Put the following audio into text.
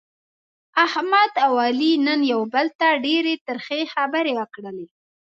احمد او علي نن یو بل ته ډېرې ترخې خبرې وکړلې.